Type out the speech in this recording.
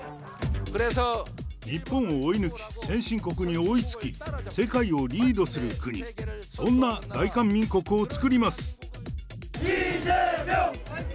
日本を追い抜き、先進国に追いつき、世界をリードする国、そんな大韓民国をつくります。